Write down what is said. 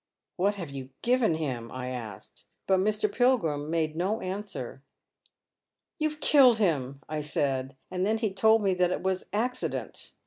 What have you given him ?' I asked. But Mr. Pilgrim made no answer. 'You've killed him,' I said, and then he told me that it was accident.